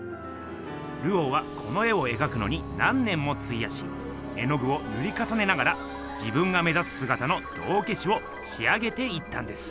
ルオーはこの絵をえがくのに何年もついやし絵のぐをぬりかさねながら自分が目ざすすがたの道けしをし上げていったんです。